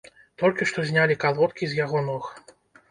Толькі што знялі калодкі з яго ног.